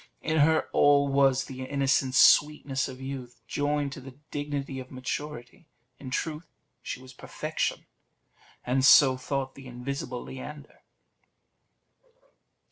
In her was all the innocent sweetness of youth, joined to the dignity of maturity; in truth, she was perfection; and so thought the invisible Leander.